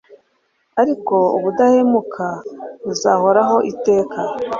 ariko ubudahemuka buzahoraho iteka